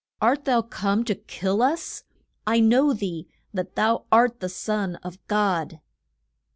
Art thou come to kill us? I know thee, that thou art the Son of God.